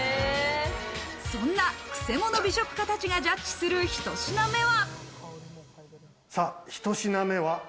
そんなクセモノ美食家たちがジャッジするひと品目は。